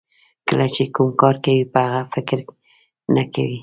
کله چې کوم کار کوئ په هغه فکر نه کوئ.